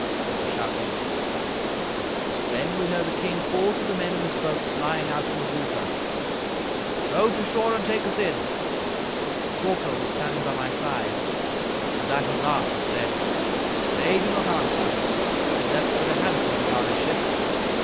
they were shouting. "Then we heard the king call to the men in his boats lying out in the water: "'Row to shore and take us in.' "Thorkel was standing by my side. At that he laughed and said: "'They do not answer. He left but a handful to guard his ships.